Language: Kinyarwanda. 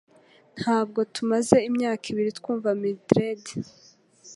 Ntabwo tumaze imyaka ibiri twumva Mildred